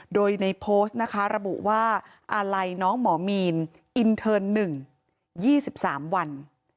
โดยในโพสต์นะคะระบุว่าอาลัยน้องหมอมีนอินเทิร์นหนึ่งยี่สิบสามวัน